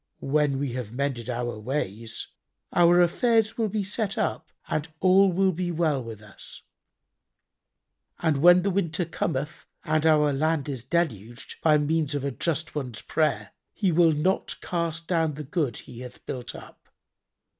When we have mended our ways, our affairs will be set up and all will be well with us, and when the winter cometh and our land is deluged, by means of a just one's prayer, He will not cast down the good He hath built up.